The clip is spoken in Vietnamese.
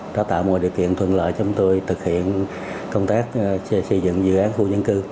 đã tạo mọi điều kiện thuận lợi chúng tôi thực hiện công tác xây dựng dự án khu dân cư